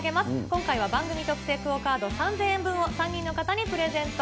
今回は番組特製ＱＵＯカード、３０００円分を３人の方にプレゼント。